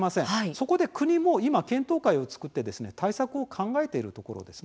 そこで国も今、検討会を作って対策を考えているところです。